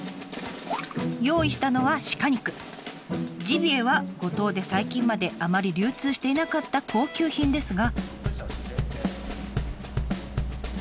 ジビエは五島で最近まであまり流通していなかった高級品ですが。